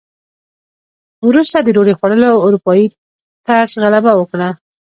وروسته د ډوډۍ خوړلو اروپايي طرز غلبه وکړه.